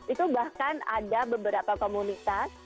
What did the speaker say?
itu bahkan ada beberapa komunitas